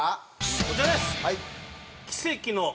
こちらです。